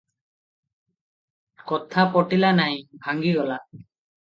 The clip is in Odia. କଥା ପଟିଲା ନାହିଁ, ଭାଙ୍ଗିଗଲା ।